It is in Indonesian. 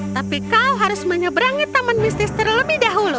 tapi kau harus menyeberangi taman mistis terlebih dahulu